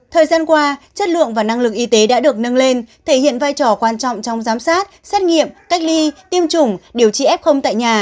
thời gian qua chất lượng và năng lực y tế đã được nâng lên thể hiện vai trò quan trọng trong giám sát xét nghiệm cách ly tiêm chủng điều trị f tại nhà